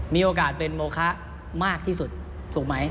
มีโอกาสเป็นโมคะมากที่สุดถูกไหม